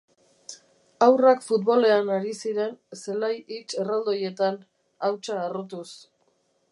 Haurrak futbolean ari ziren zelai hits erraldoietan, hautsa harrotuz.